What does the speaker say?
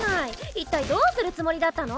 一体どうするつもりだったの？